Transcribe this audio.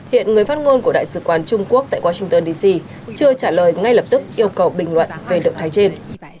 hiện người phát ngôn của đại sứ quán trung quốc tại washington d c chưa trả lời ngay lập tức yêu cầu bình luận về động thái trên